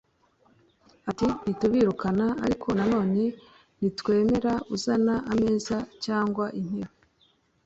Ati “Ntitubirukana ariko nanone ntitwemera uzana ameza cyangwa intebe